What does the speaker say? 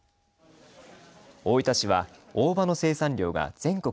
大分市は大葉の生産量が全国